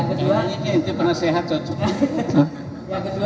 yang kedua ini kan tadi disampaikan juga tadi pak sekjen disampaikan juga menyampaikan bahwa